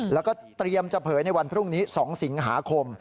แล้วก็เตรียมจะเผยในวันพรุ่งนี้๒สิงหาคม